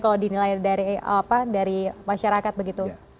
kalau dinilai dari masyarakat begitu